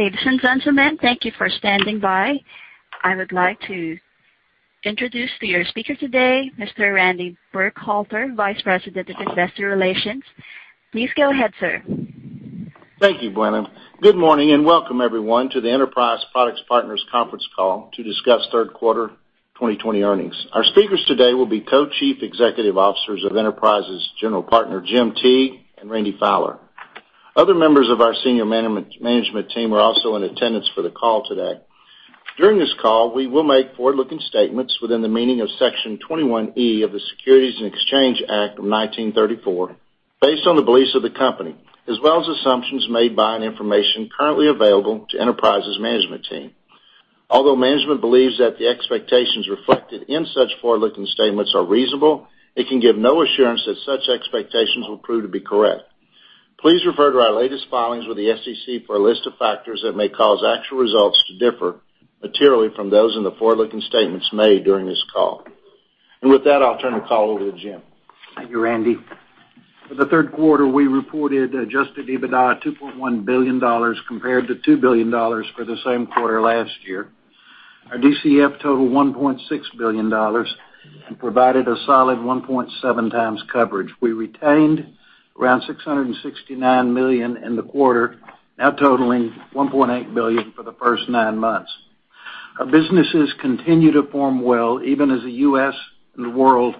Ladies and gentlemen, thank you for standing by. I would like to introduce your speaker today, Mr. Randy Burkhalter, Vice President of Investor Relations. Please go ahead, sir. Thank you, Glenn. Good morning and welcome everyone to the Enterprise Products Partners conference call to discuss third quarter 2020 earnings. Our speakers today will be Co-Chief Executive Officers of Enterprise's general partner, Jim Teague and Randy Fowler. Other members of our senior management team are also in attendance for the call today. During this call, we will make forward-looking statements within the meaning of Section 21E of the Securities Exchange Act of 1934, based on the beliefs of the company, as well as assumptions made by and information currently available to Enterprise's management team. Although management believes that the expectations reflected in such forward-looking statements are reasonable, it can give no assurance that such expectations will prove to be correct. Please refer to our latest filings with the SEC for a list of factors that may cause actual results to differ materially from those in the forward-looking statements made during this call. With that, I'll turn the call over to Jim. Thank you, Randy. For the third quarter, we reported adjusted EBITDA of $2.1 billion compared to $2 billion for the same quarter last year. Our DCF totaled $1.6 billion and provided a solid 1.7x coverage. We retained around $669 million in the quarter, now totaling $1.8 billion for the first nine months. Our businesses continue to form well, even as the U.S. and the world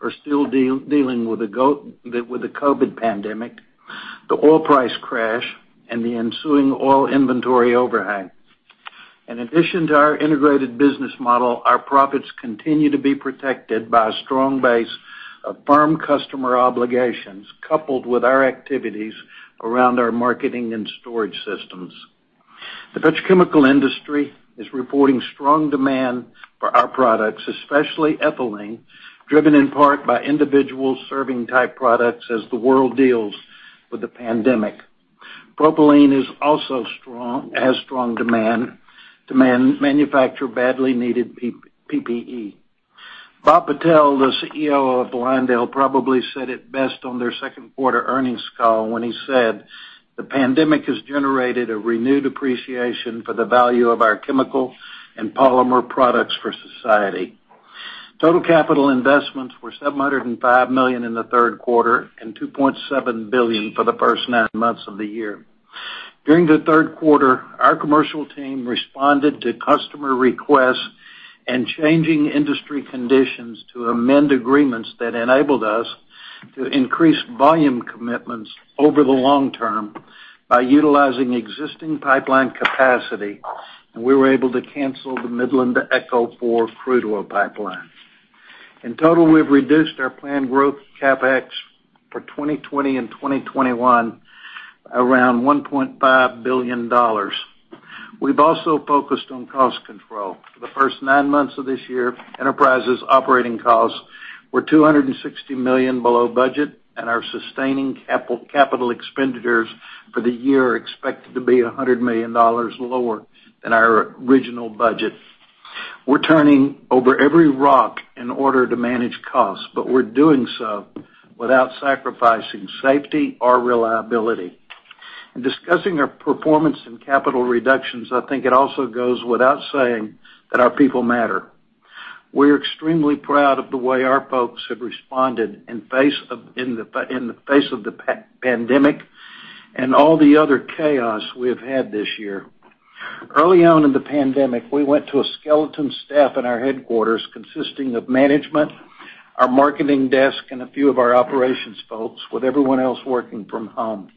are still dealing with the COVID pandemic, the oil price crash, and the ensuing oil inventory overhang. In addition to our integrated business model, our profits continue to be protected by a strong base of firm customer obligations, coupled with our activities around our marketing and storage systems. The petrochemical industry is reporting strong demand for our products, especially ethylene, driven in part by individual serving-type products as the world deals with the pandemic. Propylene also has strong demand to manufacture badly needed PPE. Bhavesh V. "Bob" Patel, the CEO of LyondellBasell, probably said it best on their second quarter earnings call when he said, "The pandemic has generated a renewed appreciation for the value of our chemical and polymer products for society." Total capital investments were $705 million in the third quarter and $2.7 billion for the first nine months of the year. During the third quarter, our commercial team responded to customer requests and changing industry conditions to amend agreements that enabled us to increase volume commitments over the long term by utilizing existing pipeline capacity, and we were able to cancel the Midland-to-ECHO 4 crude oil pipeline. In total, we've reduced our planned growth CapEx for 2020 and 2021 by around $1.5 billion. We've also focused on cost control. For the first nine months of this year, Enterprise's operating costs were $260 million below budget, and our sustaining capital expenditures for the year are expected to be $100 million lower than our original budget. We're turning over every rock in order to manage costs, but we're doing so without sacrificing safety or reliability. In discussing our performance and capital reductions, I think it also goes without saying that our people matter. We're extremely proud of the way our folks have responded in the face of the pandemic and all the other chaos we have had this year. Early on in the pandemic, we went to a skeleton staff at our headquarters consisting of management, our marketing desk, and a few of our operations folks, with everyone else working from home.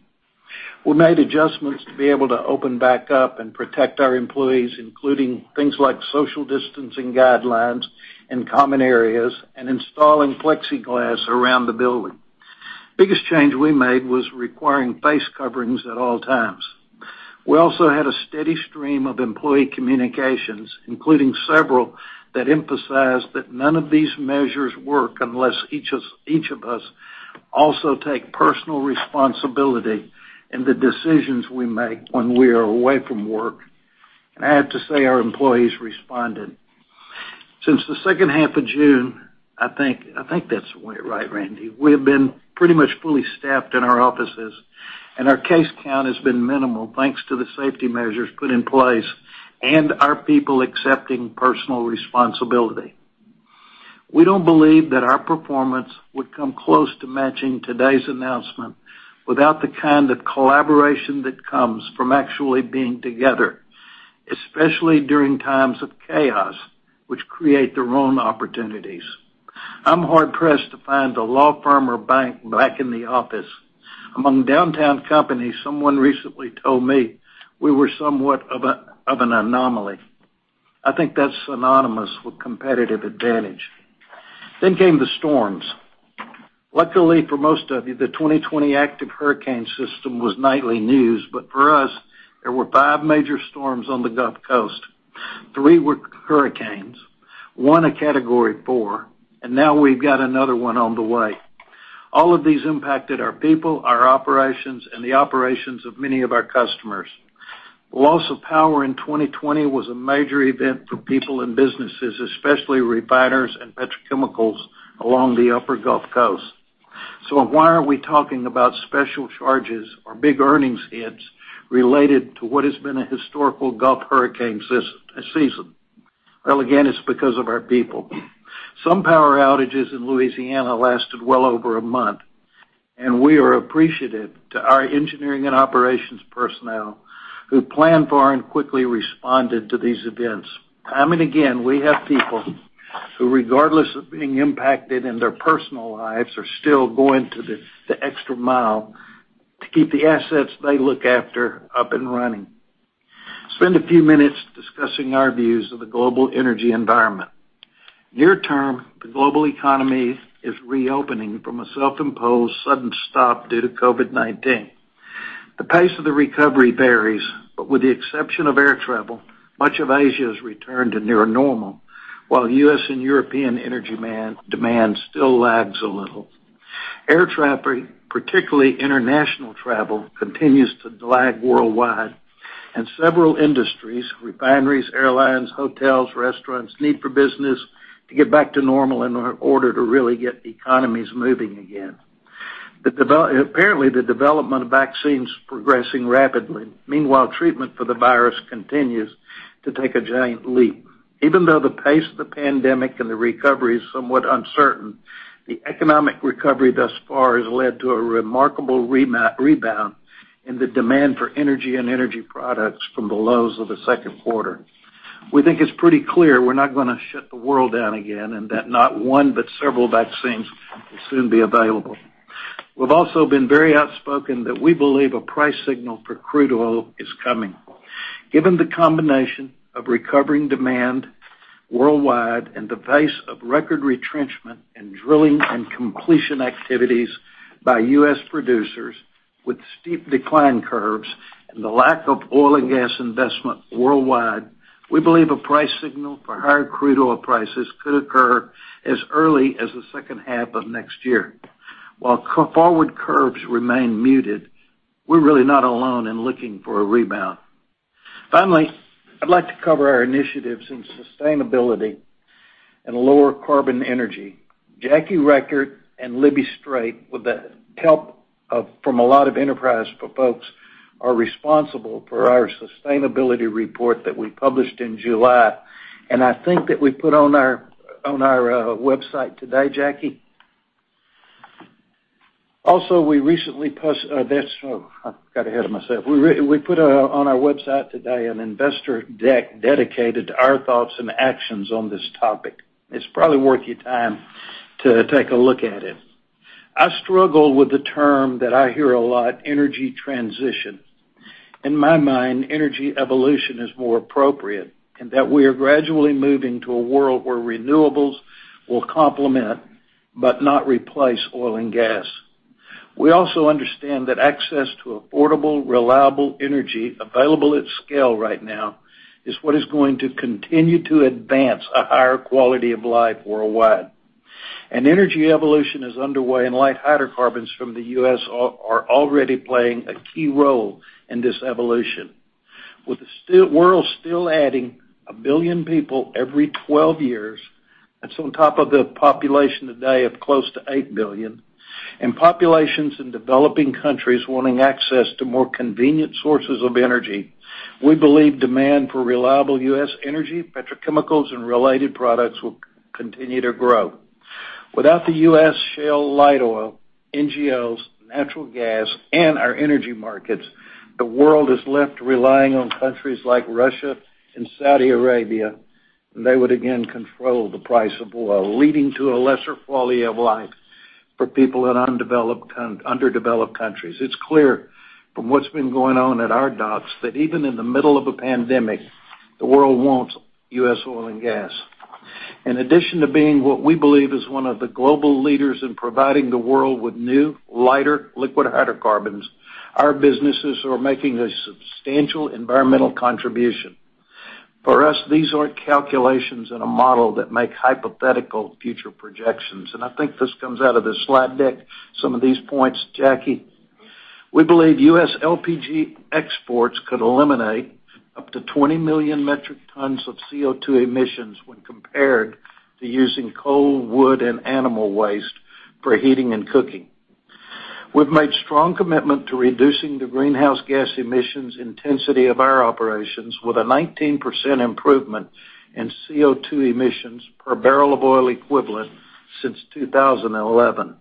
We made adjustments to be able to open back up and protect our employees, including things like social distancing guidelines in common areas and installing plexiglass around the building. Biggest change we made was requiring face coverings at all times. We also had a steady stream of employee communications, including several that emphasized that none of these measures work unless each of us also take personal responsibility in the decisions we make when we are away from work. I have to say, our employees responded. Since the second half of June, I think that's right, Randy, we have been pretty much fully staffed in our offices, and our case count has been minimal, thanks to the safety measures put in place and our people accepting personal responsibility. We don't believe that our performance would come close to matching today's announcement without the kind of collaboration that comes from actually being together, especially during times of chaos, which create their own opportunities. I'm hard-pressed to find a law firm or bank back in the office. Among downtown companies, someone recently told me we were somewhat of an anomaly. I think that's synonymous with competitive advantage. Came the storms. Luckily for most of you, the 2020 active hurricane system was nightly news, for us, there were five major storms on the Gulf Coast. Three were hurricanes, one a category 4, now we've got another one on the way. All of these impacted our people, our operations, the operations of many of our customers. Loss of power in 2020 was a major event for people and businesses, especially refiners and petrochemicals along the upper Gulf Coast. Why aren't we talking about special charges or big earnings hits related to what has been a historical Gulf Coast hurricane season? Well, again, it's because of our people. Some power outages in Louisiana lasted well over a month, and we are appreciative to our engineering and operations personnel who planned for and quickly responded to these events. Time and again, we have people who, regardless of being impacted in their personal lives, are still going the extra mile to keep the assets they look after up and running. Spend a few minutes discussing our views of the global energy environment. Near term, the global economy is reopening from a self-imposed sudden stop due to COVID-19. The pace of the recovery varies, but with the exception of air travel, much of Asia has returned to near normal, while U.S. and European energy demand still lags a little. Air travel, particularly international travel, continues to lag worldwide, and several industries, refineries, airlines, hotels, restaurants, need for business to get back to normal in order to really get economies moving again. Apparently, the development of vaccines is progressing rapidly. Meanwhile, treatment for the virus continues to take a giant leap. Even though the pace of the pandemic and the recovery is somewhat uncertain, the economic recovery thus far has led to a remarkable rebound in the demand for energy and energy products from the lows of the second quarter. We think it's pretty clear we're not going to shut the world down again, and that not one, but several vaccines will soon be available. We've also been very outspoken that we believe a price signal for crude oil is coming. Given the combination of recovering demand worldwide and the pace of record retrenchment in drilling and completion activities by U.S. producers with steep decline curves and the lack of oil and gas investment worldwide, we believe a price signal for higher crude oil prices could occur as early as the second half of next year. While forward curves remain muted, we're really not alone in looking for a rebound. Finally, I'd like to cover our initiatives in sustainability and lower carbon energy. Jackie Richert and Libby Strait, with the help from a lot of Enterprise folks, are responsible for our sustainability report that we published in July, and I think that we put on our website today, Jackie? Also, I've got ahead of myself. We put on our website today an investor deck dedicated to our thoughts and actions on this topic. It's probably worth your time to take a look at it. I struggle with the term that I hear a lot, energy transition. In my mind, energy evolution is more appropriate, in that we are gradually moving to a world where renewables will complement but not replace oil and gas. We also understand that access to affordable, reliable energy available at scale right now is what is going to continue to advance a higher quality of life worldwide. An energy evolution is underway, and light hydrocarbons from the U.S. are already playing a key role in this evolution. With the world still adding one billion people every 12 years, that's on top of the population today of close to eight billion, and populations in developing countries wanting access to more convenient sources of energy, we believe demand for reliable U.S. energy, petrochemicals, and related products will continue to grow. Without the U.S. shale light oil, NGLs, natural gas, and our energy markets, the world is left relying on countries like Russia and Saudi Arabia, and they would again control the price of oil, leading to a lesser quality of life for people in underdeveloped countries. It's clear from what's been going on at our docks that even in the middle of a pandemic, the world wants U.S. oil and gas. In addition to being what we believe is one of the global leaders in providing the world with new, lighter liquid hydrocarbons, our businesses are making a substantial environmental contribution. For us, these aren't calculations in a model that make hypothetical future projections, and I think this comes out of the slide deck, some of these points, Jackie. We believe U.S. LPG exports could eliminate up to 20 million metric tons of CO2 emissions when compared to using coal, wood, and animal waste for heating and cooking. We've made strong commitment to reducing the greenhouse gas emissions intensity of our operations with a 19% improvement in CO2 emissions per barrel of oil equivalent since 2011.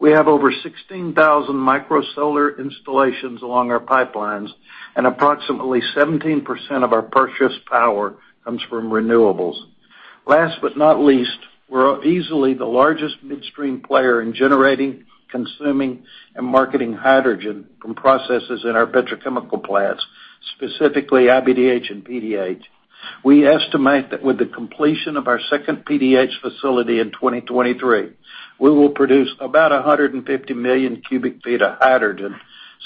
We have over 16,000 micro solar installations along our pipelines, and approximately 17% of our purchased power comes from renewables. Last but not least, we're easily the largest midstream player in generating, consuming, and marketing hydrogen from processes in our petrochemical plants, specifically iBDH and PDH. We estimate that with the completion of our second PDH facility in 2023, we will produce about 150 million cubic feet of hydrogen,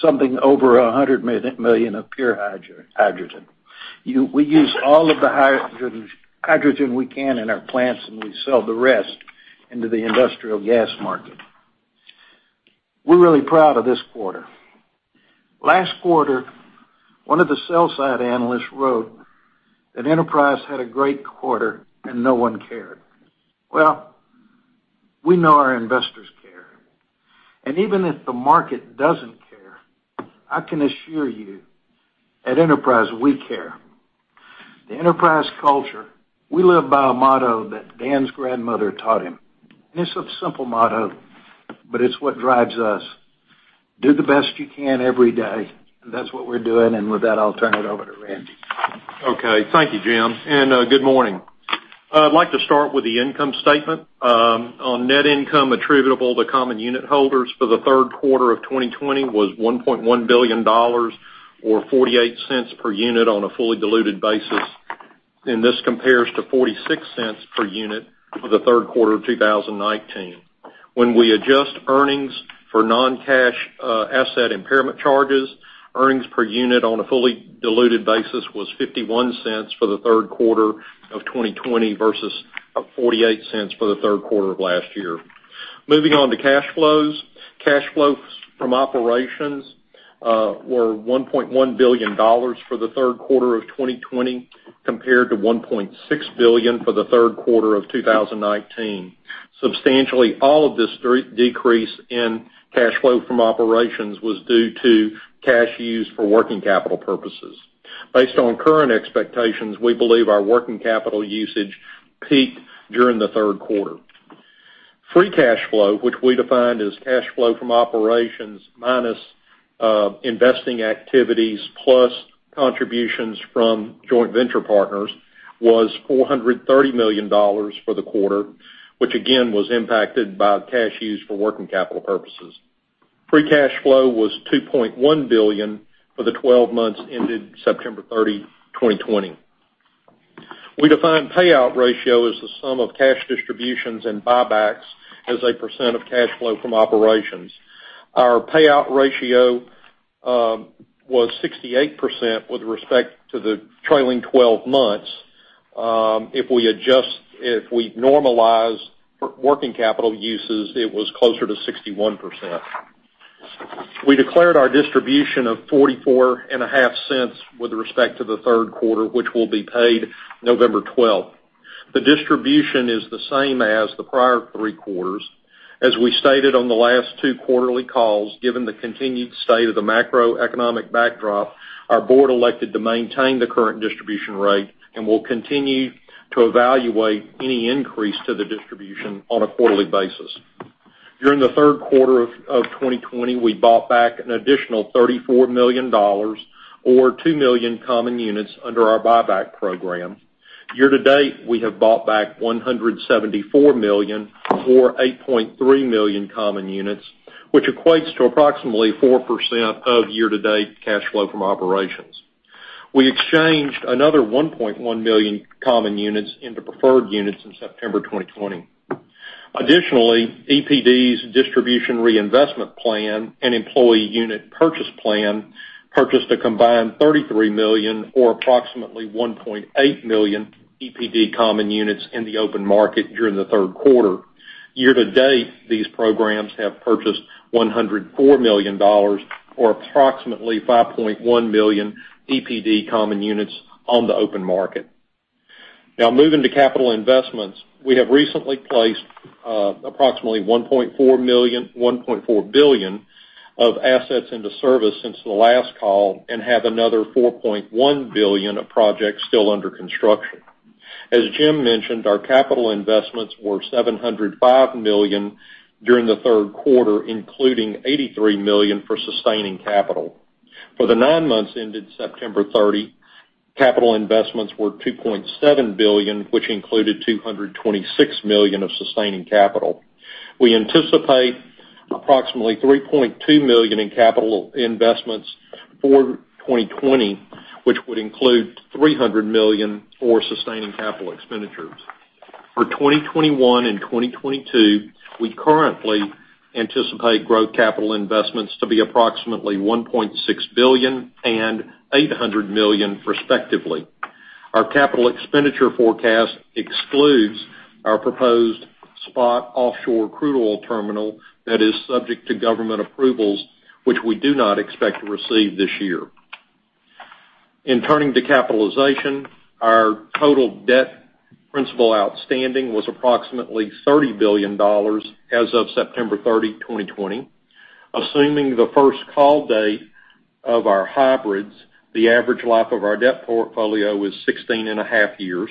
something over 100 million of pure hydrogen. We use all of the hydrogen we can in our plants. We sell the rest into the industrial gas market. We're really proud of this quarter. Last quarter, one of the sell side analysts wrote that Enterprise Products Partners had a great quarter and no one cared. We know our investors care, and even if the market doesn't care, I can assure you, at Enterprise Products Partners, we care. The Enterprise Products Partners culture, we live by a motto that Dan's grandmother taught him. It's a simple motto, but it's what drives us. Do the best you can every day. That's what we're doing. With that, I'll turn it over to Randy. Okay. Thank you, Jim, good morning. I'd like to start with the income statement. Net income attributable to common unit holders for the third quarter of 2020 was $1.1 billion, or $0.48 per unit on a fully diluted basis. This compares to $0.46 per unit for the third quarter of 2019. When we adjust earnings for non-cash asset impairment charges, earnings per unit on a fully diluted basis was $0.51 for the third quarter of 2020 versus $0.48 for the third quarter of last year. Moving on to cash flows. Cash flows from operations were $1.1 billion for the third quarter of 2020, compared to $1.6 billion for the third quarter of 2019. Substantially all of this decrease in cash flow from operations was due to cash used for working capital purposes. Based on current expectations, we believe our working capital usage peaked during the third quarter. Free cash flow, which we defined as cash flow from operations minus investing activities, plus contributions from joint venture partners, was $430 million for the quarter, which again, was impacted by cash used for working capital purposes. Free cash flow was $2.1 billion for the 12 months ended September 30, 2020. We define payout ratio as the sum of cash distributions and buybacks as a % of cash flow from operations. Our payout ratio was 68% with respect to the trailing 12 months. If we normalize working capital uses, it was closer to 61%. We declared our distribution of $0.445 with respect to the third quarter, which will be paid November 12th. The distribution is the same as the prior three quarters. As we stated on the last two quarterly calls, given the continued state of the macroeconomic backdrop, our board elected to maintain the current distribution rate, and will continue to evaluate any increase to the distribution on a quarterly basis. During the third quarter of 2020, we bought back an additional $34 million, or two million common units under our buyback program. Year to date, we have bought back $174 million, or 8.3 million common units, which equates to approximately 4% of year-to-date cash flow from operations. We exchanged another 1.1 million common units into preferred units in September 2020. Additionally, EPD's distribution reinvestment plan and employee unit purchase plan purchased a combined $33 million, or approximately 1.8 million EPD common units in the open market during the third quarter. Year to date, these programs have purchased $104 million, or approximately 5.1 million EPD common units on the open market. Moving to capital investments. We have recently placed approximately $1.4 billion of assets into service since the last call and have another $4.1 billion of projects still under construction. As Jim mentioned, our capital investments were $705 million during the third quarter, including $83 million for sustaining capital. For the nine months ended September 30, capital investments were $2.7 billion, which included $226 million of sustaining capital. We anticipate approximately $3.2 billion in capital investments for 2020, which would include $300 million for sustaining capital expenditures. For 2021 and 2022, we currently anticipate growth capital investments to be approximately $1.6 billion and $800 million respectively. Our capital expenditure forecast excludes our proposed SPOT offshore crude oil terminal that is subject to government approvals, which we do not expect to receive this year. In turning to capitalization, our total debt principal outstanding was approximately $30 billion as of September 30, 2020. Assuming the first call date of our hybrids, the average life of our debt portfolio was 16 and a half years.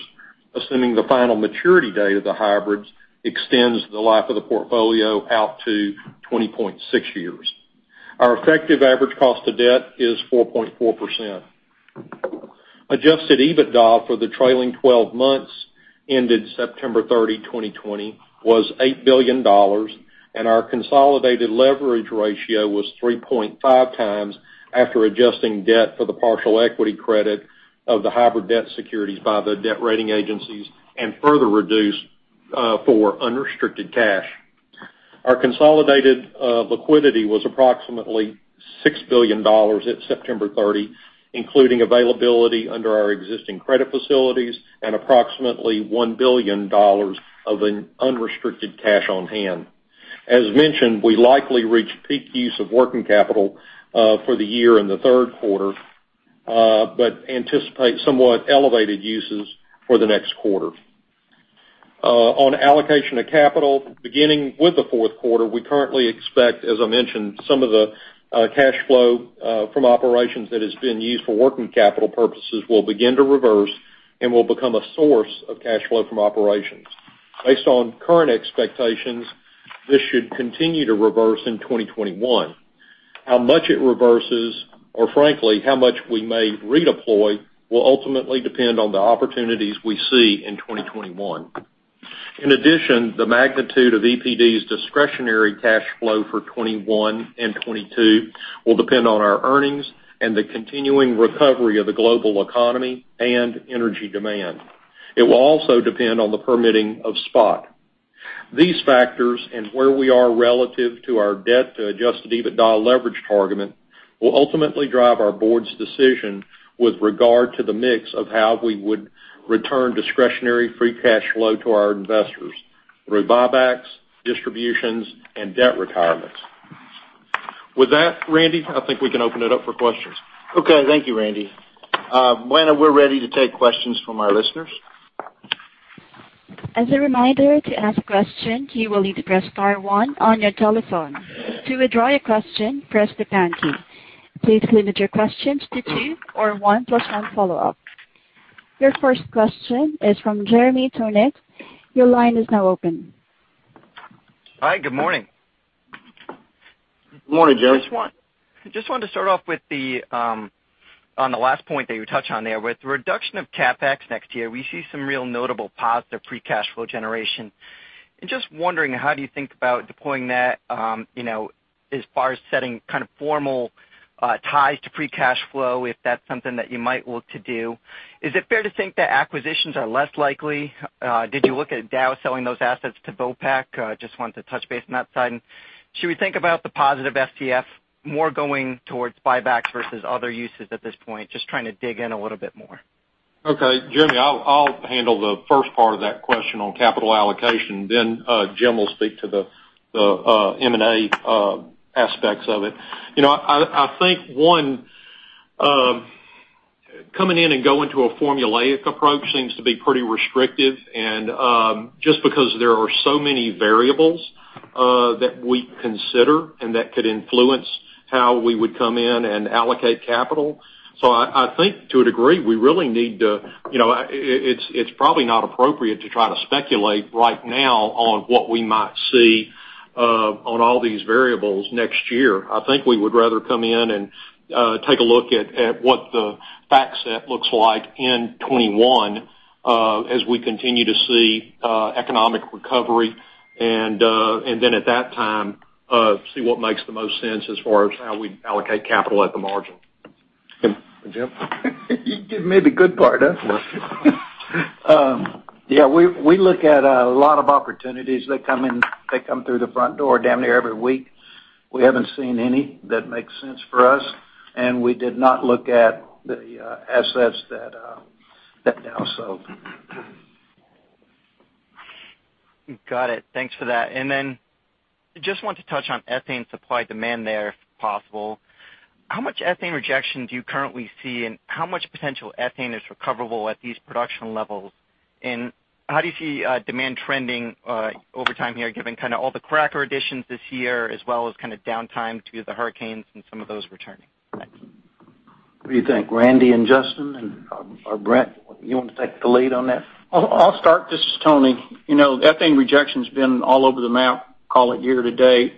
Assuming the final maturity date of the hybrids extends the life of the portfolio out to 20.6 years. Our effective average cost of debt is 4.4%. Adjusted EBITDA for the trailing 12 months ended September 30, 2020, was $8 billion, and our consolidated leverage ratio was 3.5x after adjusting debt for the partial equity credit of the hybrid debt securities by the debt rating agencies, and further reduced for unrestricted cash. Our consolidated liquidity was approximately $6 billion at September 30, including availability under our existing credit facilities and approximately $1 billion of unrestricted cash on hand. As mentioned, we likely reached peak use of working capital for the year in the third quarter. Anticipate somewhat elevated uses for the next quarter. On allocation of capital, beginning with the fourth quarter, we currently expect, as I mentioned, some of the cash flow from operations that has been used for working capital purposes will begin to reverse and will become a source of cash flow from operations. Based on current expectations, this should continue to reverse in 2021. How much it reverses, or frankly, how much we may redeploy, will ultimately depend on the opportunities we see in 2021. In addition, the magnitude of EPD's discretionary cash flow for 2021 and 2022 will depend on our earnings and the continuing recovery of the global economy and energy demand. It will also depend on the permitting of SPOT. These factors and where we are relative to our debt to adjusted EBITDA leverage target will ultimately drive our board's decision with regard to the mix of how we would return discretionary free cash flow to our investors through buybacks, distributions, and debt retirements. With that, Randy, I think we can open it up for questions. Okay. Thank you, Randy. Lana, we're ready to take questions from our listeners. As a reminder, to ask a question, you will need to press star one on your telephone. To withdraw your question, press the pound key. Please limit your questions to two or one plus one follow-up. Your first question is from Jeremy Tonet. Your line is now open. Hi, good morning. Good morning, Jeremy. Just wanted to start off on the last point that you touched on there. With the reduction of CapEx next year, we see some real notable positive free cash flow generation. Just wondering, how do you think about deploying that, as far as setting kind of formal ties to free cash flow, if that's something that you might look to do? Is it fair to think that acquisitions are less likely? Did you look at Dow selling those assets to Vopak? Just wanted to touch base on that side. Should we think about the positive FCF more going towards buybacks versus other uses at this point? Just trying to dig in a little bit more. Jeremy, I'll handle the first part of that question on capital allocation. Jim will speak to the M&A aspects of it. I think, one, coming in and going to a formulaic approach seems to be pretty restrictive, just because there are so many variables that we consider and that could influence how we would come in and allocate capital. I think to a degree it's probably not appropriate to try to speculate right now on what we might see on all these variables next year. I think we would rather come in and take a look at what the fact set looks like in 2021 as we continue to see economic recovery, at that time, see what makes the most sense as far as how we allocate capital at the margin. Jim? You give me the good part, huh? Of course. Yeah. We look at a lot of opportunities that come through the front door damn near every week. We haven't seen any that make sense for us, and we did not look at the assets that Dow sold. Got it. Thanks for that. Just wanted to touch on ethane supply-demand there, if possible. How much ethane rejection do you currently see, and how much potential ethane is recoverable at these production levels? How do you see demand trending over time here, given all the cracker additions this year as well as downtime due to the hurricanes and some of those returning? Thanks. What do you think, Randy and Justin, or Brent? You want to take the lead on that? I'll start. This is Tony. ethane rejection's been all over the map, call it year to date.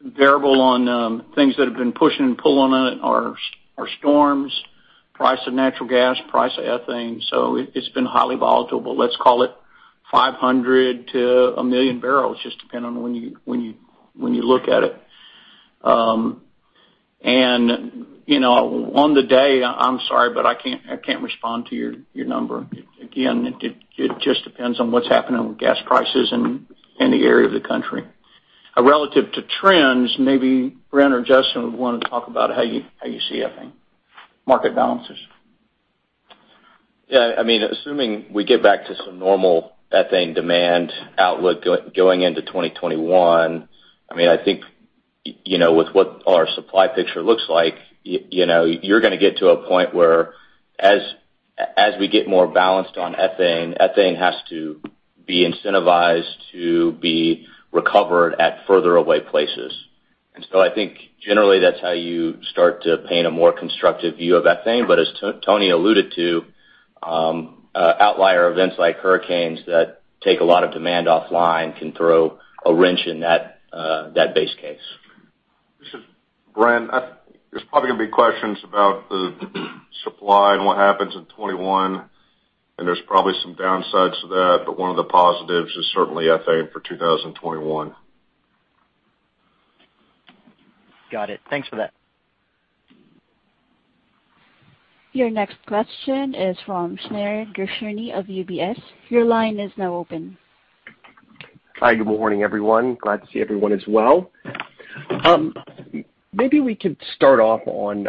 Variable on things that have been pushing and pulling on it are storms, price of natural gas, price of ethane. It's been highly volatile, but let's call it 500,000 to 1 million barrels, just depending on when you look at it. On the day, I'm sorry, but I can't respond to your number. Again, it just depends on what's happening with gas prices in the area of the country. Relative to trends, maybe Brent or Justin would want to talk about how you see ethane market balances. Yeah. Assuming we get back to some normal ethane demand outlook going into 2021, I think with what our supply picture looks like, you're going to get to a point where as we get more balanced on ethane has to be incentivized to be recovered at further away places. I think generally that's how you start to paint a more constructive view of ethane. But as Tony alluded to, outlier events like hurricanes that take a lot of demand offline can throw a wrench in that base case. This is Brent. There's probably going to be questions about the supply and what happens in 2021, and there's probably some downsides to that, but one of the positives is certainly ethane for 2021. Got it. Thanks for that. Your next question is from Shneur Gershuni of UBS. Your line is now open. Hi, good morning, everyone. Glad to see everyone is well. Maybe we could start off on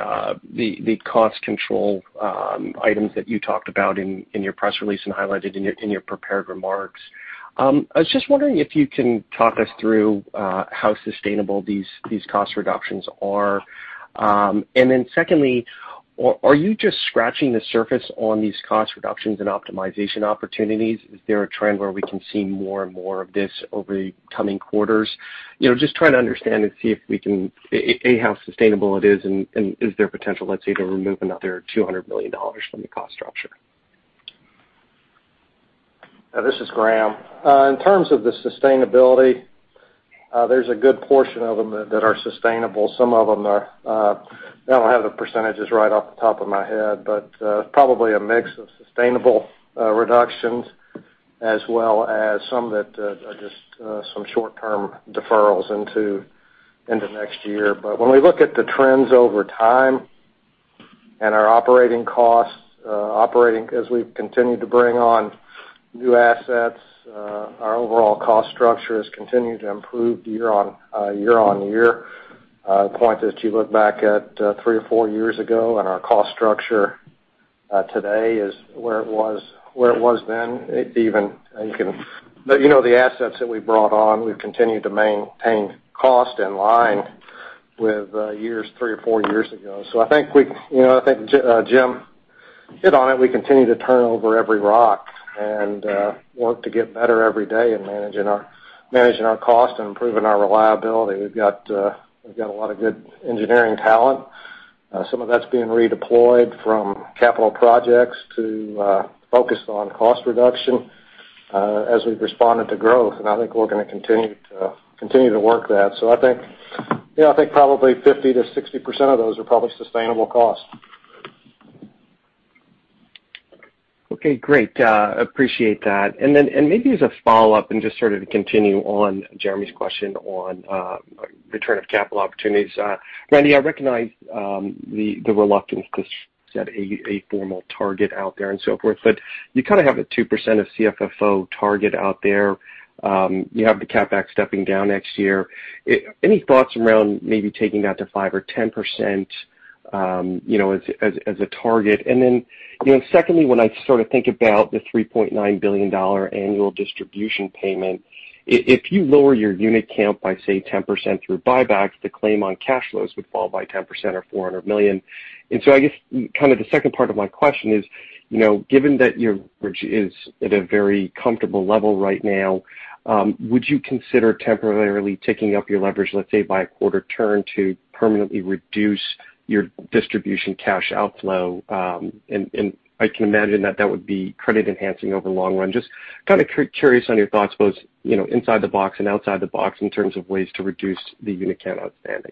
the cost control items that you talked about in your press release and highlighted in your prepared remarks. I was just wondering if you can talk us through how sustainable these cost reductions are. Secondly, are you just scratching the surface on these cost reductions and optimization opportunities? Is there a trend where we can see more and more of this over the coming quarters? Just trying to understand and see, A, how sustainable it is and is there potential, let's say, to remove another $200 million from the cost structure. This is Graham. In terms of the sustainability, there's a good portion of them that are sustainable. I don't have the percentages right off the top of my head, but probably a mix of sustainable reductions as well as some that are just some short-term deferrals into next year. When we look at the trends over time and our operating costs, as we've continued to bring on new assets, our overall cost structure has continued to improve year on year. A point that you look back at three or four years ago, and our cost structure today is where it was then. The assets that we brought on, we've continued to maintain cost in line with three or four years ago. I think Jim hit on it. We continue to turn over every rock and work to get better every day in managing our cost and improving our reliability. We've got a lot of good engineering talent. Some of that's being redeployed from capital projects to focus on cost reduction as we've responded to growth, and I think we're going to continue to work that. I think probably 50%-60% of those are probably sustainable costs. Okay, great. Appreciate that. Maybe as a follow-up, and just sort of to continue on Jeremy's question on return of capital opportunities. Randy, I recognize the reluctance to set a formal target out there and so forth, but you kind of have a 2% of CFFO target out there. You have the CapEx stepping down next year. Any thoughts around maybe taking that to 5% or 10% as a target? Secondly, when I think about the $3.9 billion annual distribution payment, if you lower your unit count by, say, 10% through buybacks, the claim on cash flows would fall by 10% or $400 million. I guess the second part of my question is, given that your leverage is at a very comfortable level right now, would you consider temporarily ticking up your leverage, let's say, by a quarter turn to permanently reduce your distribution cash outflow? I can imagine that would be credit enhancing over the long run. Just kind of curious on your thoughts, both inside the box and outside the box in terms of ways to reduce the unit count outstanding.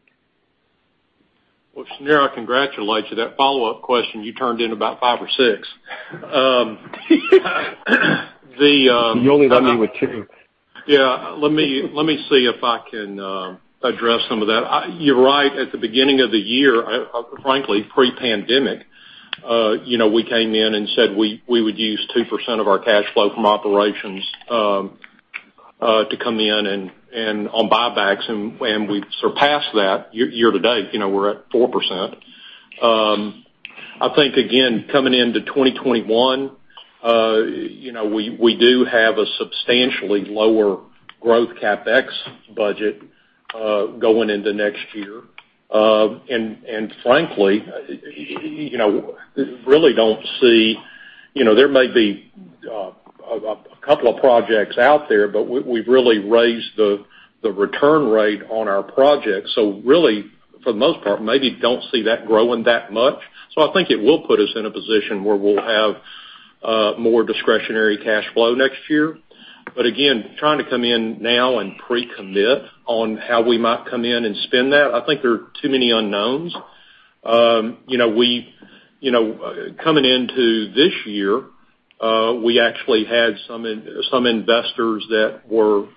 Well, Shneur, I congratulate you. That follow-up question, you turned in about five or six. You only got me with two. Let me see if I can address some of that. You're right. At the beginning of the year, frankly, pre-pandemic we came in and said we would use 2% of our cash flow from operations to come in on buybacks, and we've surpassed that year to date. We're at 4%. I think, again, coming into 2021, we do have a substantially lower growth CapEx budget going into next year. Frankly, there may be a couple of projects out there, but we've really raised the return rate on our projects. Really, for the most part, maybe don't see that growing that much. I think it will put us in a position where we'll have more discretionary cash flow next year. Again, trying to come in now and pre-commit on how we might come in and spend that, I think there are too many unknowns. Coming into this year, we actually had some investors that were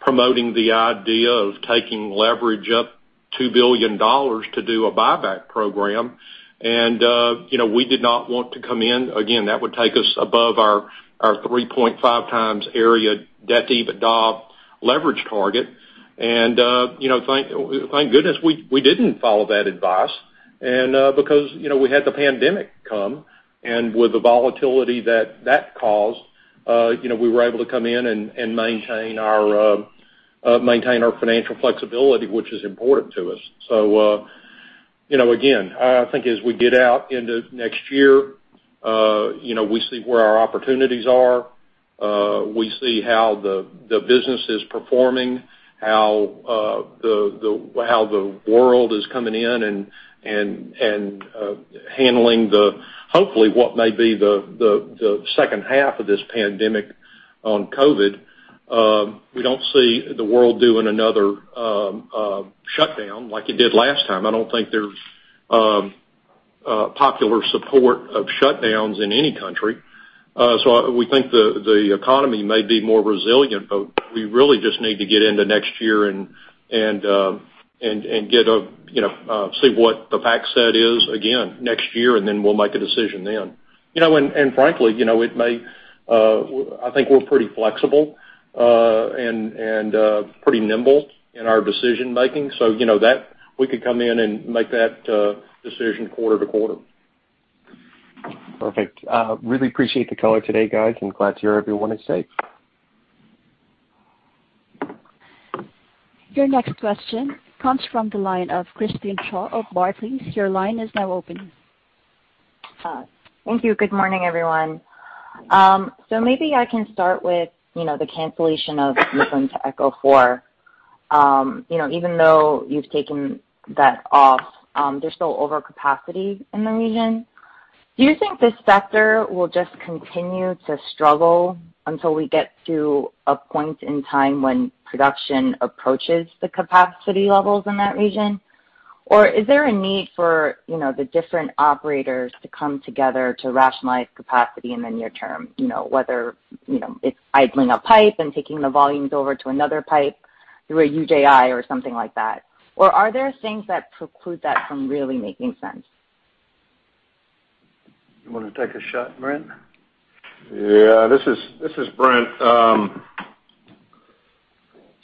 promoting the idea of taking leverage up $2 billion to do a buyback program, we did not want to come in. Again, that would take us above our 3.5x area debt-EBITDA leverage target. Thank goodness we didn't follow that advice because we had the pandemic come, and with the volatility that that caused we were able to come in and maintain our financial flexibility, which is important to us. Again, I think as we get out into next year we see where our opportunities are. We see how the business is performing, how the world is coming in and handling hopefully what may be the second half of this pandemic on COVID. We don't see the world doing another shutdown like it did last time. I don't think there's popular support of shutdowns in any country. We think the economy may be more resilient, but we really just need to get into next year and see what the fact set is again next year. We'll make a decision then. Frankly, I think we're pretty flexible and pretty nimble in our decision making. We could come in and make that decision quarter to quarter. Perfect. Really appreciate the call today, guys, and glad to hear everyone is safe. Your next question comes from the line of Christine Cho of Barclays. Your line is now open. Thank you. Good morning, everyone. Maybe I can start with the cancellation of Midland-to-ECHO 4. Even though you've taken that off, there's still overcapacity in the region. Do you think this sector will just continue to struggle until we get to a point in time when production approaches the capacity levels in that region? Or is there a need for the different operators to come together to rationalize capacity in the near term, whether it's idling a pipe and taking the volumes over to another pipe through a JV or something like that? Or are there things that preclude that from really making sense? You want to take a shot, Brent? Yeah. This is Brent.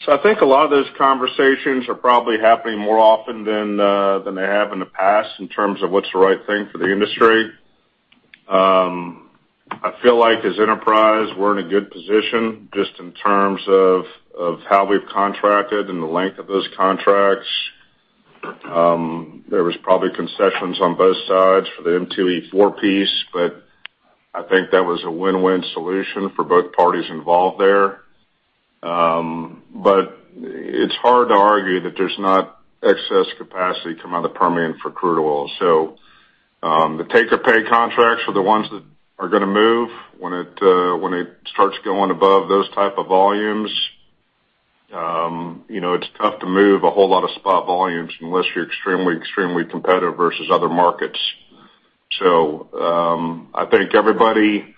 I think a lot of those conversations are probably happening more often than they have in the past in terms of what's the right thing for the industry. I feel like as Enterprise, we're in a good position just in terms of how we've contracted and the length of those contracts. There was probably concessions on both sides for the M2E4 piece, I think that was a win-win solution for both parties involved there. It's hard to argue that there's not excess capacity coming out of the Permian for crude oil. The take-or-pay contracts are the ones that are going to move when it starts going above those type of volumes. It's tough to move a whole lot of spot volumes unless you're extremely competitive versus other markets. I think everybody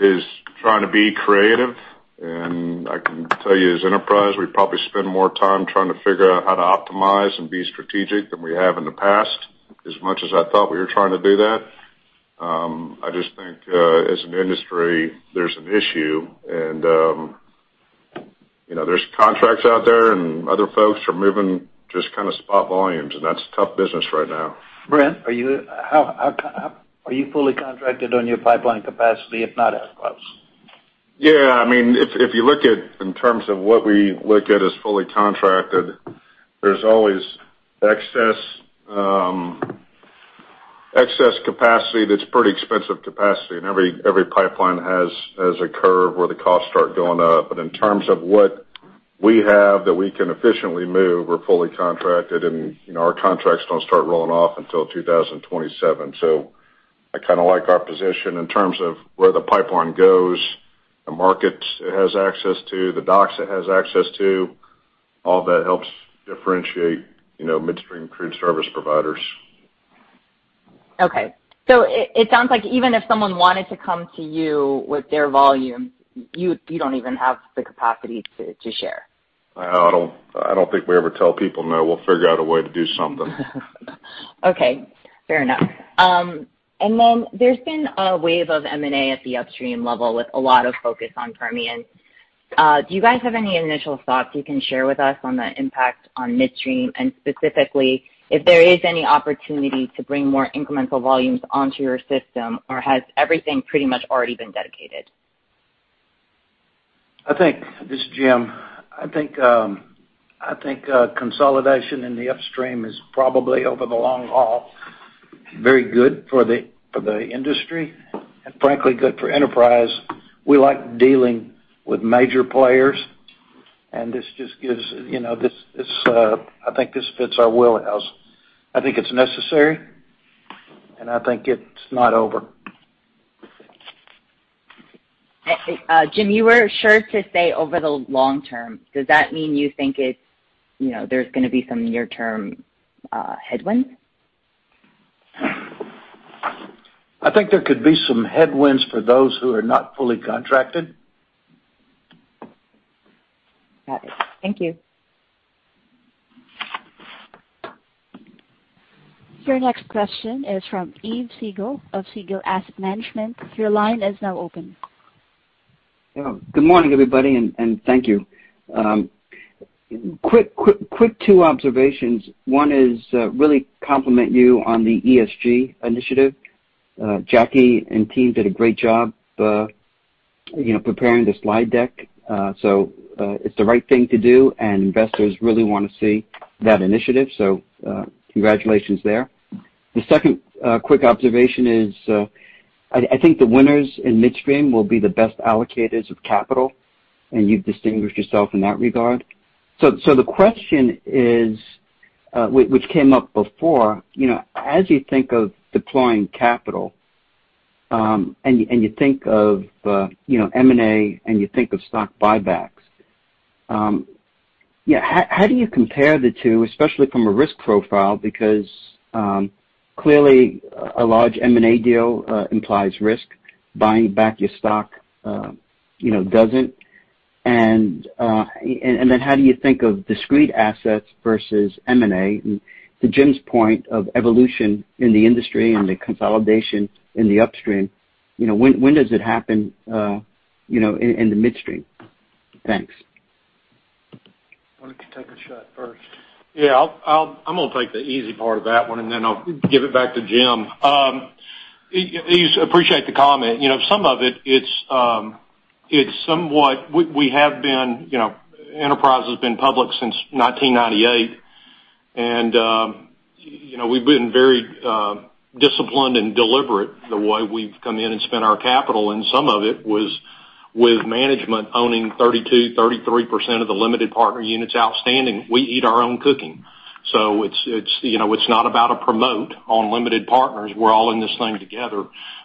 is trying to be creative, and I can tell you as Enterprise, we probably spend more time trying to figure out how to optimize and be strategic than we have in the past. As much as I thought we were trying to do that, I just think, as an industry, there's an issue, and there's contracts out there and other folks are moving just kind of spot volumes, and that's tough business right now. Brent, are you fully contracted on your pipeline capacity? If not, how close? Yeah. If you look at in terms of what we look at as fully contracted, there's always excess capacity that's pretty expensive capacity, and every pipeline has a curve where the costs start going up. In terms of what we have that we can efficiently move, we're fully contracted, and our contracts don't start rolling off until 2027. I kind of like our position in terms of where the pipeline goes, the markets it has access to, the docks it has access to. All that helps differentiate midstream crude service providers. Okay. It sounds like even if someone wanted to come to you with their volume, you don't even have the capacity to share. I don't think we ever tell people no. We'll figure out a way to do something. Okay. Fair enough. There's been a wave of M&A at the upstream level with a lot of focus on Permian. Do you guys have any initial thoughts you can share with us on the impact on midstream, and specifically, if there is any opportunity to bring more incremental volumes onto your system, or has everything pretty much already been dedicated? This is Jim. I think consolidation in the upstream is probably over the long haul, very good for the industry and frankly, good for Enterprise Products Partners. We like dealing with major players, and I think this fits our wheelhouse. I think it's necessary, and I think it's not over. Jim, you were sure to say over the long term. Does that mean you think there's going to be some near-term headwinds? I think there could be some headwinds for those who are not fully contracted. Got it. Thank you. Your next question is from Yves Siegel of Siegel Asset Management. Your line is now open. Good morning, everybody, thank you. Quick two observations. One is really compliment you on the ESG initiative. Jackie and team did a great job preparing the slide deck. It's the right thing to do, and investors really want to see that initiative. Congratulations there. The second quick observation is, I think the winners in midstream will be the best allocators of capital, and you've distinguished yourself in that regard. The question which came up before, as you think of deploying capital, and you think of M&A, and you think of stock buybacks, how do you compare the two, especially from a risk profile? Because clearly a large M&A deal implies risk. Buying back your stock doesn't. How do you think of discrete assets versus M&A? To Jim's point of evolution in the industry and the consolidation in the upstream, when does it happen in the midstream? Thanks. Take a shot first. Yeah. I'm going to take the easy part of that one, and then I'll give it back to Jim. Yves Siegel, appreciate the comment. Enterprise has been public since 1998. We've been very disciplined and deliberate in the way we've come in and spent our capital. Some of it was with management owning 32%, 33% of the limited partner units outstanding. We eat our own cooking. It's not about a promote on limited partners. We're all in this thing together.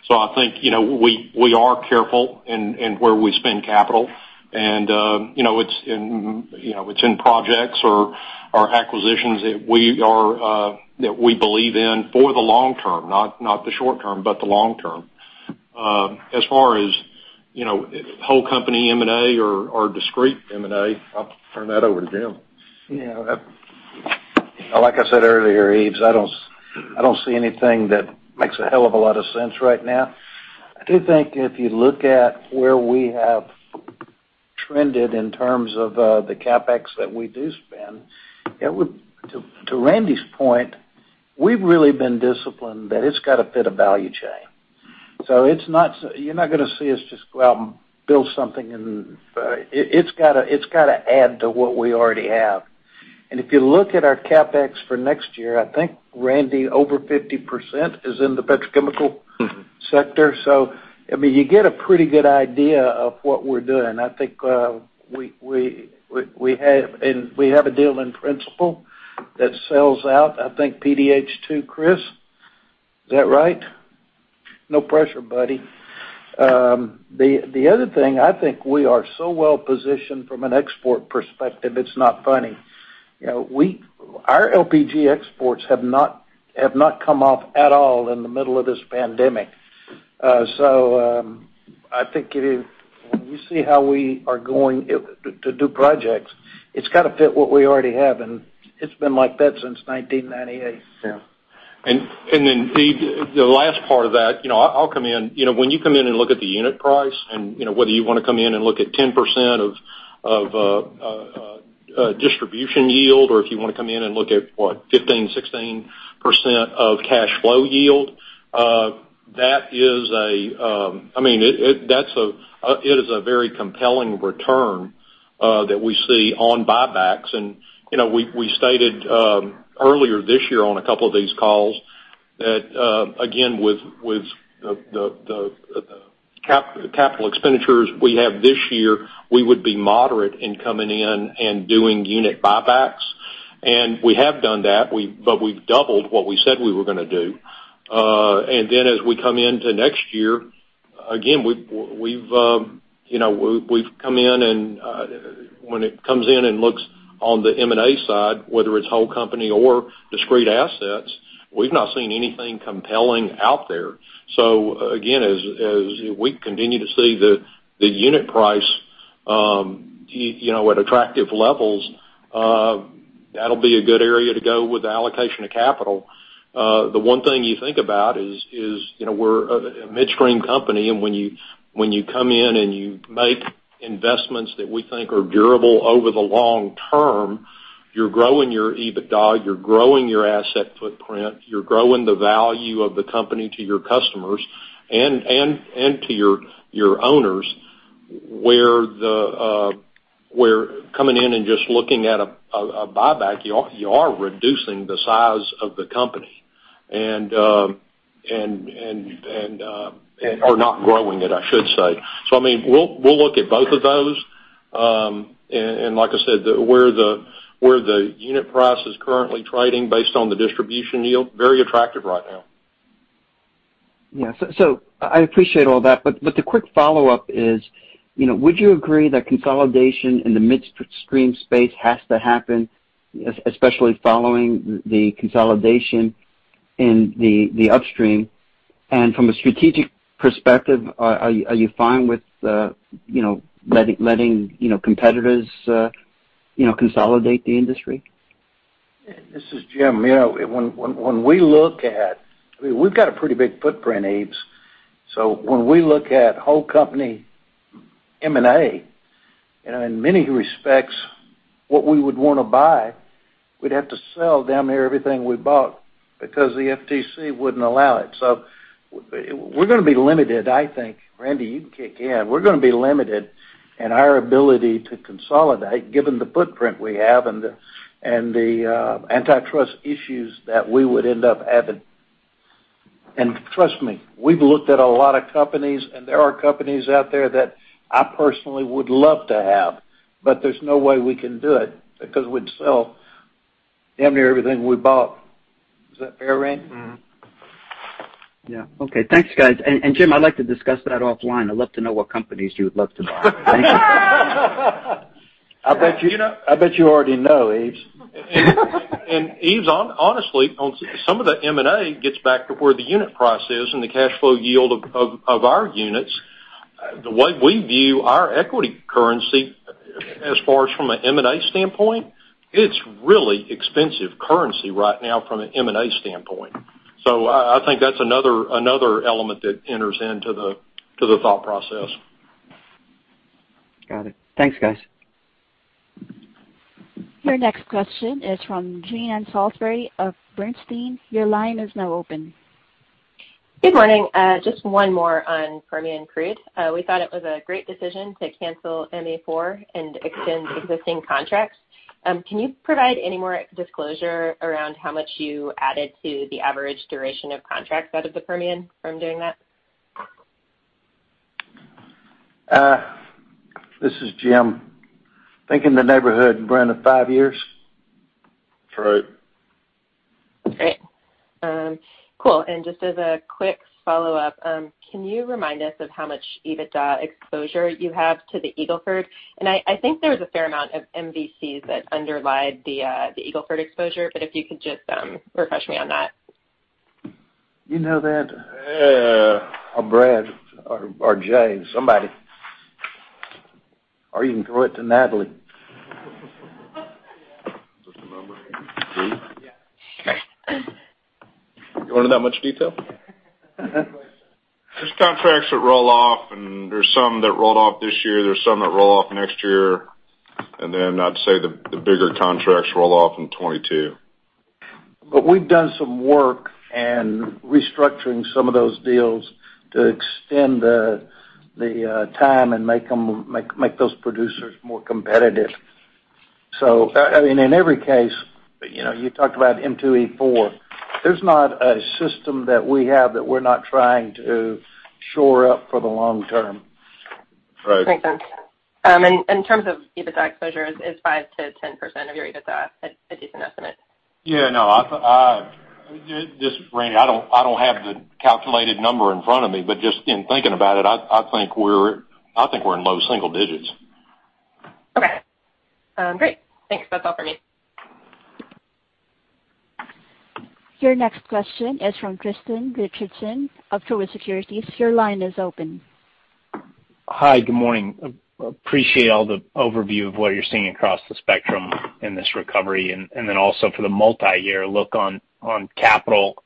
I think, we are careful in where we spend capital, and it's in projects or acquisitions that we believe in for the long term. Not the short term, but the long term. As far as whole company M&A or discreet M&A, I'll turn that over to Jim. Yeah. Like I said earlier, Yves Siegel, I don't see anything that makes a hell of a lot of sense right now. I do think if you look at where we have trended in terms of the CapEx that we do spend, to Randy's point, we've really been disciplined that it's got to fit a value chain. You're not going to see us just go out and build something. It's got to add to what we already have. If you look at our CapEx for next year, I think, Randy, over 50% is in the petrochemical sector. You get a pretty good idea of what we're doing. I think we have a deal in principle that sells out, I think PDH 2, Chris. Is that right? No pressure, buddy. The other thing, I think we are so well-positioned from an export perspective, it's not funny. Our LPG exports have not come off at all in the middle of this pandemic. I think when you see how we are going to do projects, it's got to fit what we already have, and it's been like that since 1998. Yeah. Yves Siegel, the last part of that, I'll come in. When you come in and look at the unit price and whether you want to come in and look at 10% of distribution yield, or if you want to come in and look at, what, 15%, 16% of cash flow yield, it is a very compelling return that we see on buybacks. We stated earlier this year on a couple of these calls that, again, with the capital expenditures we have this year, we would be moderate in coming in and doing unit buybacks, and we have done that, but we've doubled what we said we were going to do. As we come into next year, again, when it comes in and looks on the M&A side, whether it's whole company or discrete assets, we've not seen anything compelling out there. Again, as we continue to see the unit price at attractive levels, that'll be a good area to go with allocation of capital. The one thing you think about is we're a midstream company, and when you come in and you make investments that we think are durable over the long term, you're growing your EBITDA, you're growing your asset footprint, you're growing the value of the company to your customers and to your owners. Where coming in and just looking at a buyback, you are reducing the size of the company or not growing it, I should say. We'll look at both of those. Like I said, where the unit price is currently trading based on the distribution yield, very attractive right now. Yeah. I appreciate all that. The quick follow-up is, would you agree that consolidation in the midstream space has to happen, especially following the consolidation in the upstream? From a strategic perspective, are you fine with letting competitors consolidate the industry? This is Jim. We've got a pretty big footprint, Yves Siegel. When we look at whole company M&A, in many respects, what we would want to buy, we'd have to sell damn near everything we bought because the FTC wouldn't allow it. We're going to be limited, I think. Randy, you can kick in. We're going to be limited in our ability to consolidate given the footprint we have and the antitrust issues that we would end up having. Trust me, we've looked at a lot of companies, and there are companies out there that I personally would love to have, but there's no way we can do it because we'd sell damn near everything we bought. Is that fair, Randy? Yeah. Okay. Thanks, guys. Jim, I'd like to discuss that offline. I'd love to know what companies you would love to buy. I bet you already know, Yves Siegel. Yves Siegel, honestly, on some of the M&A gets back to where the unit price is and the cash flow yield of our units. The way we view our equity currency as far as from an M&A standpoint, it's really expensive currency right now from an M&A standpoint. I think that's another element that enters into the thought process. Got it. Thanks, guys. Your next question is from Jean Ann Salisbury of Bernstein. Your line is now open. Good morning. Just one more on Permian crude. We thought it was a great decision to cancel M2E4 and extend existing contracts. Can you provide any more disclosure around how much you added to the average duration of contracts out of the Permian from doing that? This is Jim. I think in the neighborhood, around five years. That's right. Great. Cool. Just as a quick follow-up, can you remind us of how much EBITDA exposure you have to the Eagle Ford? I think there was a fair amount of MVCs that underlie the Eagle Ford exposure, but if you could just refresh me on that? You know that. Brad or Jeremy, somebody. You can throw it to Natalie. Just a number? Do you? Yeah. You want it in that much detail? yeah. There's contracts that roll off, and there's some that rolled off this year, there's some that roll off next year. I'd say the bigger contracts roll off in 2022. We've done some work in restructuring some of those deals to extend the time and make those producers more competitive. In every case, you talked about M2E4, there's not a system that we have that we're not trying to shore up for the long term. Right. Makes sense. In terms of EBITDA exposure, is 5%-10% of your EBITDA a decent estimate? Yeah. No. Just, Jean, I don't have the calculated number in front of me, but just in thinking about it, I think we're in low single digits. Okay. Great. Thanks. That's all for me. Your next question is from Tristan Richardson of Truist Securities. Your line is open. Hi, good morning. Appreciate all the overview of what you're seeing across the spectrum in this recovery, and then also for the multiyear look on capital.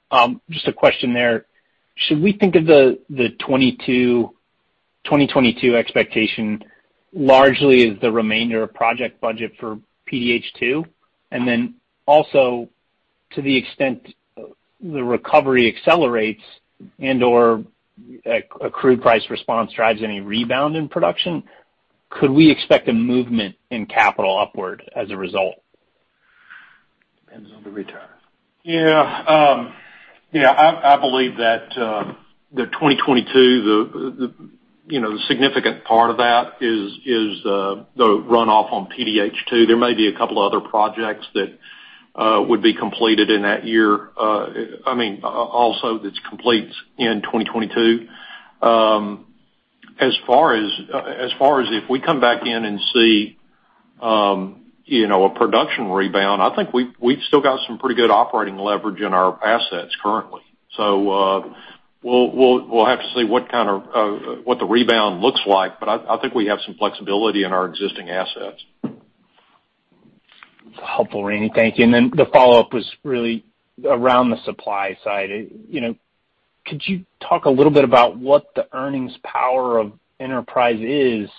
Just a question there, should we think of the 2022 expectation largely as the remainder of project budget for PDH 2? To the extent the recovery accelerates and/or a crude price response drives any rebound in production, could we expect a movement in capital upward as a result? Depends on the return. Yeah. I believe that the 2022, the significant part of that is the runoff on PDH 2. There may be a couple other projects that would be completed in that year. That completes in 2022. As far as if we come back in and see a production rebound, I think we've still got some pretty good operating leverage in our assets currently. We'll have to see what the rebound looks like, but I think we have some flexibility in our existing assets. Helpful, Randy. Thank you. The follow-up was really around the supply side. Could you talk a little bit about what the earnings power of Enterprise Products Partners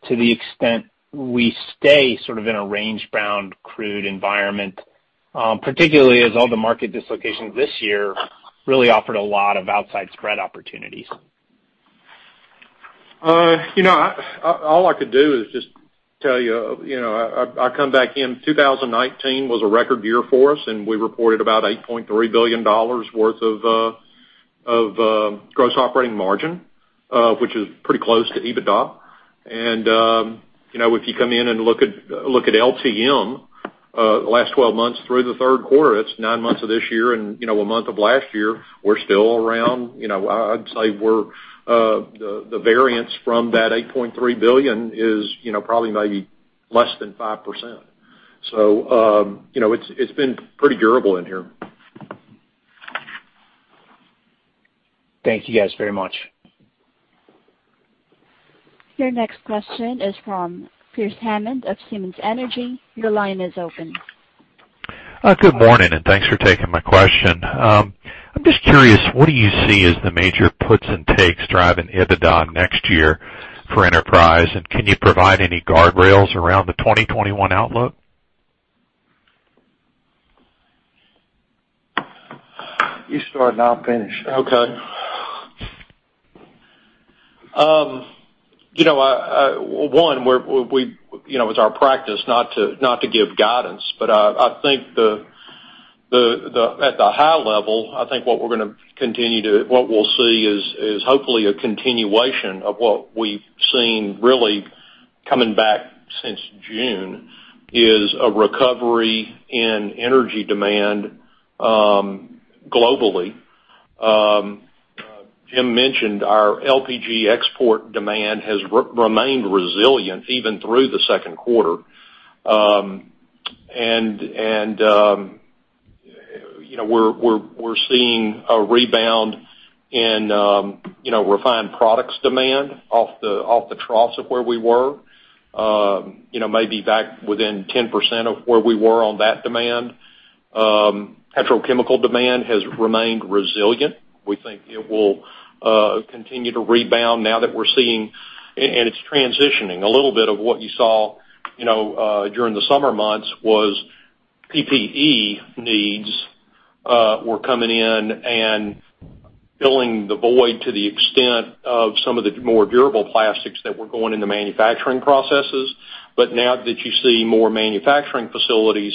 is to the extent we stay sort of in a range-bound crude environment? Particularly as all the market dislocations this year really offered a lot of outside spread opportunities. All I could do is just tell you. I come back in, 2019 was a record year for us, and we reported about $8.3 billion worth of gross operating margin, which is pretty close to EBITDA. If you come in and look at LTM, the last 12 months through the third quarter, that's nine months of this year and a month of last year, we're still around. I'd say the variance from that $8.3 billion is probably maybe less than 5%. It's been pretty durable in here. Thank you guys very much. Your next question is from Pearce Hammond of Simmons Energy. Your line is open. Good morning, and thanks for taking my question. I'm just curious, what do you see as the major puts and takes driving EBITDA next year for Enterprise Products Partners? Can you provide any guardrails around the 2021 outlook? You start and I'll finish. Okay. One, it's our practice not to give guidance. I think at the high level, I think what we'll see is hopefully a continuation of what we've seen really coming back since June, is a recovery in energy demand globally. Jim mentioned our LPG export demand has remained resilient even through the second quarter. We're seeing a rebound in refined products demand off the troughs of where we were. Maybe back within 10% of where we were on that demand. Petrochemical demand has remained resilient. We think it will continue to rebound now that we're seeing. It's transitioning. A little bit of what you saw during the summer months was PPE needs were coming in and filling the void to the extent of some of the more durable plastics that were going into manufacturing processes. Now that you see more manufacturing facilities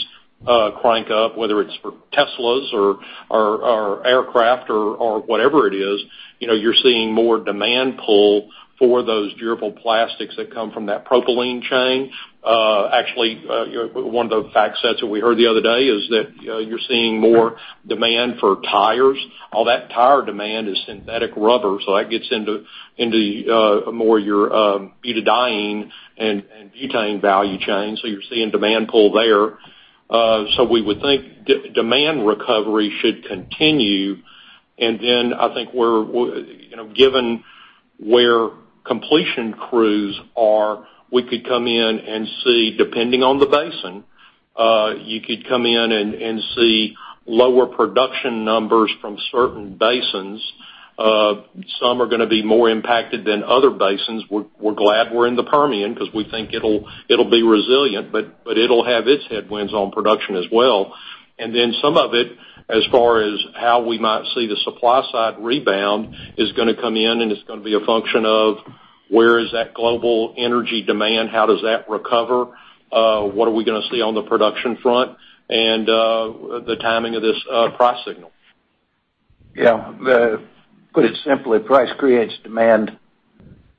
crank up, whether it's for Tesla or aircraft or whatever it is, you're seeing more demand pull for those durable plastics that come from that propylene chain. Actually, one of the fact sets that we heard the other day is that you're seeing more demand for tires. All that tire demand is synthetic rubber, so that gets into more of your butadiene and butane value chain. You're seeing demand pull there. We would think demand recovery should continue. I think, given where completion crews are, we could come in and see, depending on the basin, you could come in and see lower production numbers from certain basins. Some are going to be more impacted than other basins. We're glad we're in the Permian because we think it'll be resilient, but it'll have its headwinds on production as well. Some of it, as far as how we might see the supply side rebound, is going to come in and it's going to be a function of: Where is that global energy demand? How does that recover? What are we going to see on the production front? The timing of this price signal. Yeah. To put it simply, price creates demand.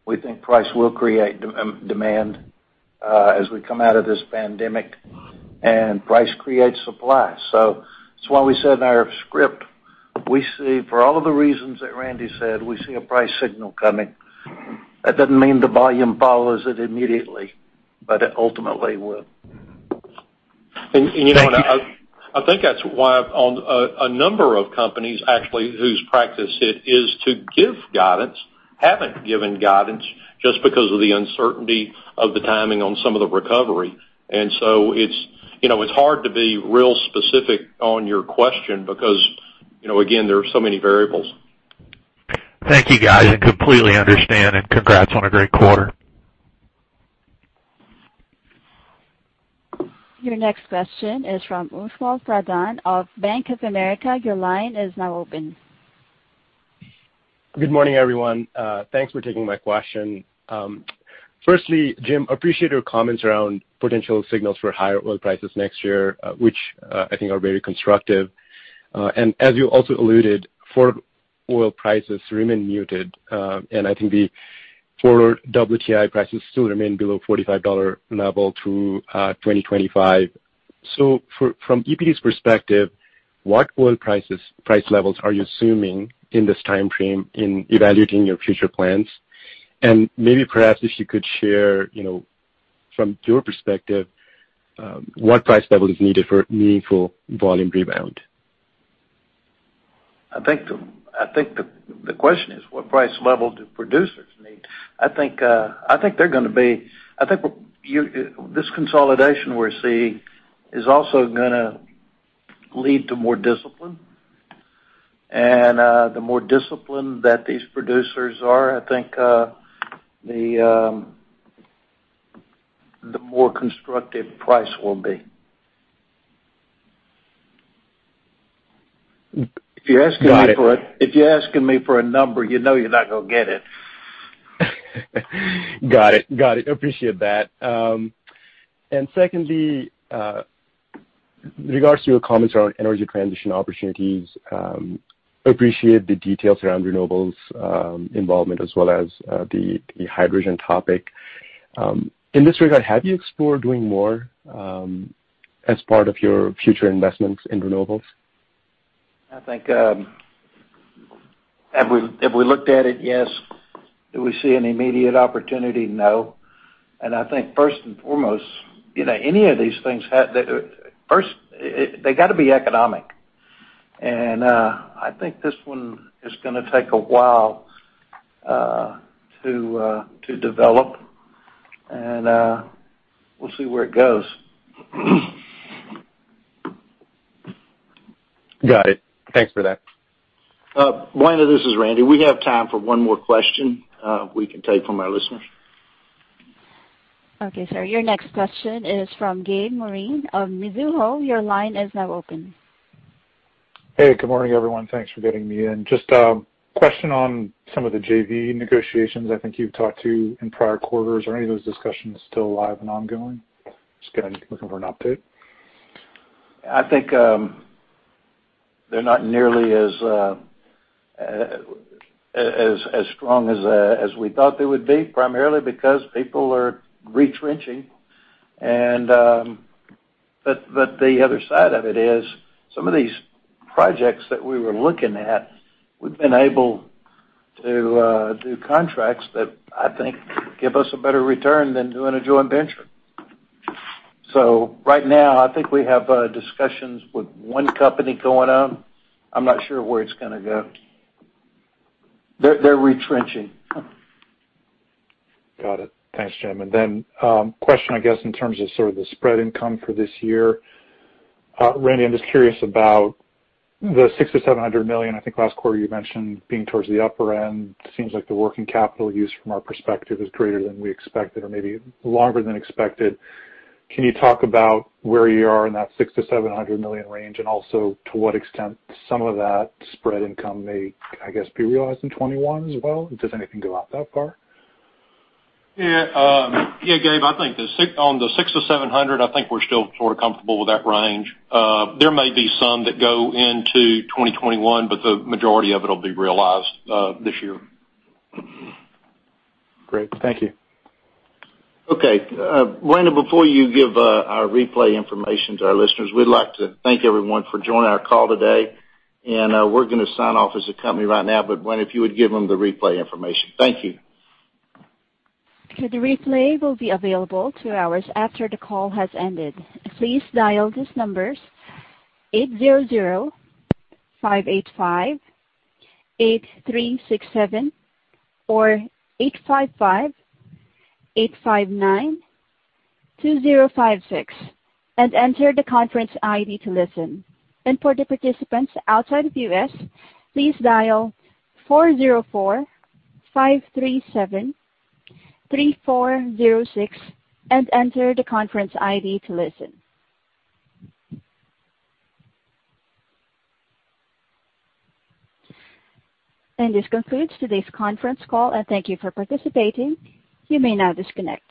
We think price will create demand as we come out of this pandemic, and price creates supply. That's why we said in our script, for all of the reasons that Randy said, we see a price signal coming. That doesn't mean the volume follows it immediately, but it ultimately will. I think that's why a number of companies actually, whose practice it is to give guidance, haven't given guidance just because of the uncertainty of the timing on some of the recovery. It's hard to be real specific on your question because, again, there are so many variables. Thank you, guys, and completely understand, and congrats on a great quarter. Your next question is from Ujjwal Pradhan of Bank of America. Your line is now open. Good morning, everyone. Thanks for taking my question. Firstly, Jim, appreciate your comments around potential signals for higher oil prices next year, which I think are very constructive. As you also alluded, forward oil prices remain muted. I think the forward WTI prices still remain below $45 level through 2025. From EPD's perspective, what oil price levels are you assuming in this time frame in evaluating your future plans? Maybe perhaps if you could share, from your perspective, what price level is needed for meaningful volume rebound? I think the question is what price level do producers need? I think this consolidation we're seeing is also going to lead to more discipline, and the more discipline that these producers are, I think the more constructive price will be. Got it. If you're asking me for a number, you know you're not going to get it. Got it. Appreciate that. Secondly, regards to your comments around energy transition opportunities. Appreciate the details around renewables involvement as well as the hydrogen topic. In this regard, have you explored doing more as part of your future investments in renewables? I think, have we looked at it? Yes. Do we see an immediate opportunity? No. I think first and foremost, any of these things, first they got to be economic. I think this one is going to take a while to develop, and we'll see where it goes. Got it. Thanks for that. Juana, this is Randy. We have time for one more question we can take from our listeners. Okay, sir, your next question is from Gabe Moreen of Mizuho. Your line is now open. Hey, good morning, everyone. Thanks for getting me in. Just a question on some of the JV negotiations I think you've talked to in prior quarters. Are any of those discussions still live and ongoing? Just kind of looking for an update. I think they're not nearly as strong as we thought they would be, primarily because people are retrenching. The other side of it is some of these projects that we were looking at, we've been able to do contracts that I think give us a better return than doing a joint venture. Right now, I think we have discussions with one company going on. I'm not sure where it's going to go. They're retrenching. Got it. Thanks, Jim. Then a question, I guess, in terms of sort of the spread income for this year. Randy, I'm just curious about the $600 million-$700 million, I think last quarter you mentioned being towards the upper end. It seems like the working capital use from our perspective is greater than we expected or maybe longer than expected. Can you talk about where you are in that $600 million-$700 million range, and also to what extent some of that spread income may, I guess, be realized in 2021 as well? Yeah. Gabe, I think on the $600 million-$700 million, I think we're still sort of comfortable with that range. There may be some that go into 2021. The majority of it'll be realized this year. Great. Thank you. Okay. Juana, before you give our replay information to our listeners, we'd like to thank everyone for joining our call today, and we're going to sign off as a company right now. Juana, if you would give them the replay information. Thank you. Okay. The replay will be available two hours after the call has ended. Please dial these numbers 800-585-8367 or 855-859-2056 and enter the conference ID to listen. And for the participants outside of US, please dial 404-537-3406 and enter the conference ID to listen. And this concludes today's conference call, and thank you for participating. You may now disconnect.